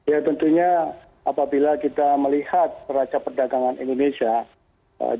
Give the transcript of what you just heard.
ya tentunya apabila kita melihat raca perdagangan indonesia